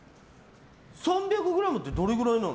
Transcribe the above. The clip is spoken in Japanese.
３００ｇってどれくらいなの？